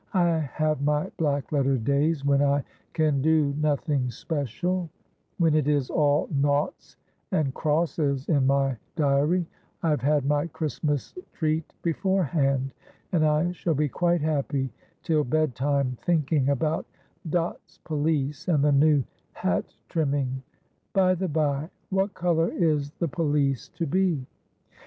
I have my black letter days when I can do nothing special, when it is all noughts and crosses in my diary, I have had my Christmas treat beforehand, and I shall be quite happy till bed time thinking about Dot's pelisse and the new hat trimming; by the bye, what colour is the pelisse to be?"